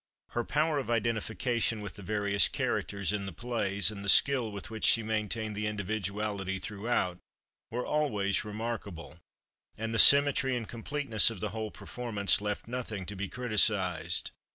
Her power of identification with the various characters in the plays, and the skill with which she maintained the individuality throughout, were always remarkable, and the symmetry and completeness of the whole performance left nothing to be criticised.